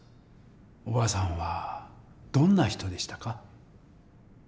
おばあさんはどんな人でしたか？